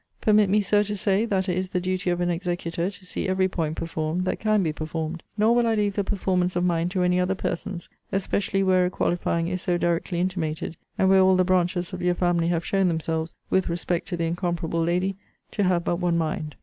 Permit me, Sir, to say, that it is the duty of an executor to see every point performed, that can be performed. Nor will I leave the performance of mine to any other persons, especially where a qualifying is so directly intimated, and where all the branches of your family have shown themselves, with respect to the incomparable lady, to have but one mind.